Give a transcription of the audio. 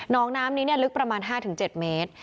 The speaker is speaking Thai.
น้องน้ำนี้เนี่ยลึกประมาณห้าถึงเจ็ดเมตร